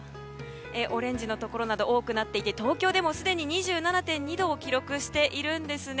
オレンジのところなど多くなっていて東京でもすでに２７．２度を記録しています。